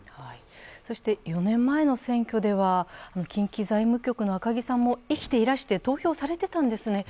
そして４年前の選挙では近畿財務局の赤木さんも生きていらして投票されていたんですね。